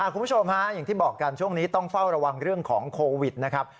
คุณผู้ชมฮะอย่างที่บอกกันช่วงนี้ต้องเฝ้าระวังเรื่องของโควิดนะครับ